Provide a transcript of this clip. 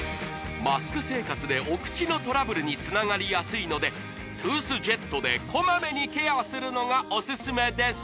マスク生活でお口のトラブルにつながりやすいのでトゥースジェットでこまめにケアするのがオススメです